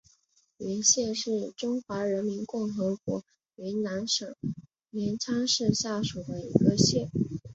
云县是中华人民共和国云南省临沧市下属的一个县。